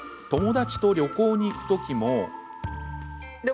友達と旅行に行くときも。